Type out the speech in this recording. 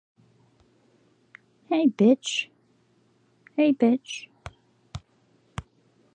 It is part of the Bloomsburg-Berwick Metropolitan Statistical Area.